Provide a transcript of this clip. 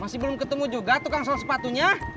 masih belum ketemu juga tukang sel sepatunya